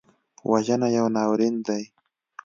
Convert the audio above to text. وژنه یو ناورین دی